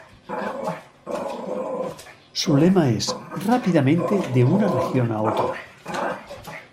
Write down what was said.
Su lema es "Rápidamente de una región a otra".